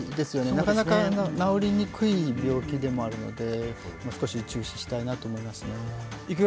なかなか治りにくい病気でもあるので少し注視したいなと思いますね。